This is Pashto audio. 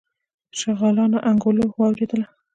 شغالانو انګولا واورېدله.